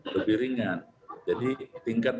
lebih ringan jadi tingkat